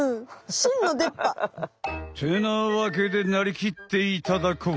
しんのでっ歯。ってなわけでなりきっていただこう！